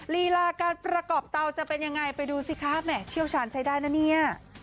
ลีลาการประกอบเตาจะเป็นยังไงไปดูสิคะแหม่เชี่ยวชาญใช้ได้นะเนี่ย